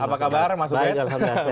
apa kabar mas ubed